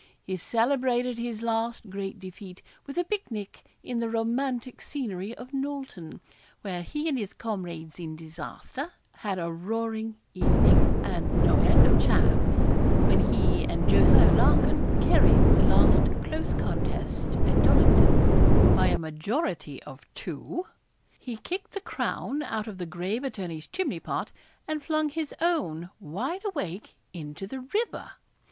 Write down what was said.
He celebrated his last great defeat with a pic nic in the romantic scenery of Nolton, where he and his comrades in disaster had a roaring evening, and no end of 'chaff' When he and Jos. Larkin carried the last close contest at Dollington, by a majority of two, he kicked the crown out of the grave attorney's chimney pot, and flung his own wide awake into the river.